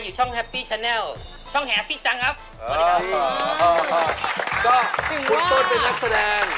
แล้วพี่ไปฝึกขี่ช้างตอนไหนขึ้นช้างได้ยังไง